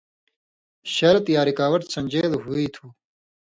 شرط یا رکاوٹ سن٘دژېل ہُوئ تھو؛